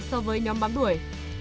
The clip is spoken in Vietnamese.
so với nhóm bám đuổi